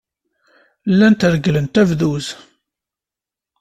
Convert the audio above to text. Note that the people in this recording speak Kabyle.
Llant regglent abduz.